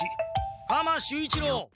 浜守一郎。